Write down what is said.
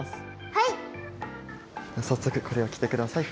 はい。